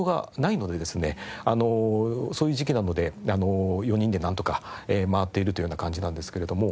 あのそういう時期なので４人でなんとか回っているというような感じなんですけれども。